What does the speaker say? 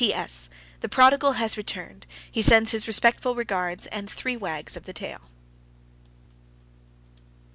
S. P.S. The prodigal has returned. He sends his respectful regards, and three wags of the tail.